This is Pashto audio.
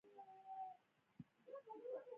پر دې اوسني حالت انتقادونه کول.